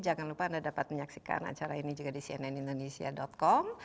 jangan lupa anda dapat menyaksikan acara ini juga di cnnindonesia com